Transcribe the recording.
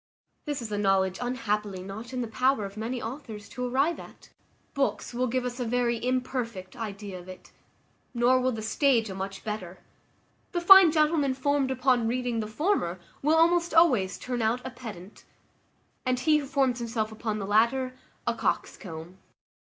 This is a knowledge unhappily not in the power of many authors to arrive at. Books will give us a very imperfect idea of it; nor will the stage a much better: the fine gentleman formed upon reading the former will almost always turn out a pedant, and he who forms himself upon the latter, a coxcomb.